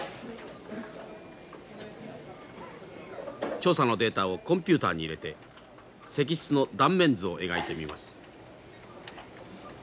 調査のデータをコンピューターに入れて石室の断面図を描いてみます。